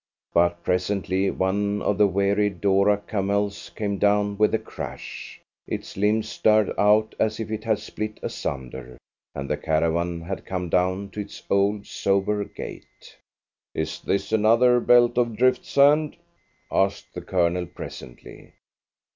But presently one of the weary doora camels came down with a crash, its limbs starred out as if it had split asunder, and the caravan had to come down to its old sober gait. "Is this another belt of drift sand?" asked the Colonel presently.